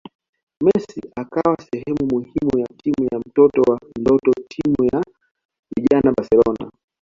Messi akawa sehemu muhimu ya Timu ya mtoto wa ndoto timu ya vijana Barcelona